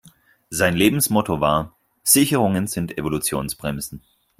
Sein Lebensmotto war: Sicherungen sind Evolutionsbremsen.